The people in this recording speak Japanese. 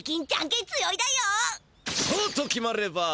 そうと決まれば！